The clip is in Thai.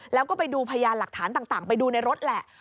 แล้วก็ไปดูพยานหลักฐานต่างไปดูในรถแหละ